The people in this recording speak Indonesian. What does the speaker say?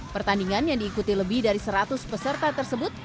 pertandingan yang diikuti lebih dari seratus peserta tersebut